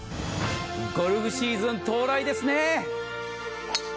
ゴルフシーズン到来ですね。